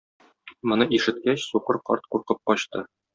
Моны ишеткәч, сукыр карт куркып качты.